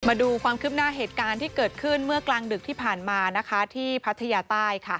มาดูความคืบหน้าเหตุการณ์ที่เกิดขึ้นเมื่อกลางดึกที่ผ่านมาที่พัทยาใต้